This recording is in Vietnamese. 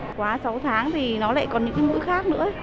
quá sáu tháng thì nó lại còn những cái mũi khác nữa